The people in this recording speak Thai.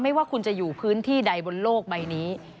ว่าคุณจะอยู่พื้นที่ใดบนโลกใบนี้